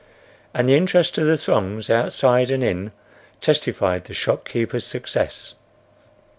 And the interest of the throngs outside and in testified the shopkeepers' success.